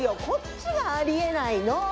こっちがありえないの！